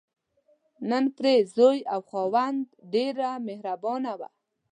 نن پر خپل زوی او خاوند ډېره مهربانه وه.